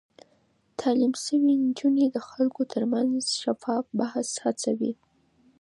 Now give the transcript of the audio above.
تعليم شوې نجونې د خلکو ترمنځ شفاف بحث هڅوي.